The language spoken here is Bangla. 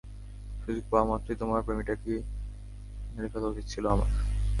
সুযোগ পাওয়া মাত্রই তোমার প্রেমিকাটিকে মেরে ফেলা উচিত ছিল আমার।